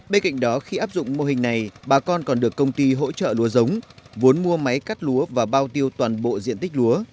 bên cạnh đó khi áp dụng mô hình này bà con còn được công ty hỗ trợ lúa giống vốn mua máy cắt lúa và bao tiêu toàn bộ diện tích lúa